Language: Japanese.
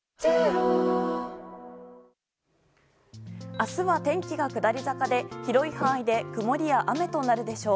明日は天気が下り坂で広い範囲で曇りや雨となるでしょう。